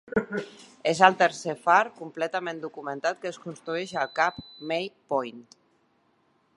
És el tercer far completament documentat que es construeix al Cape May Point.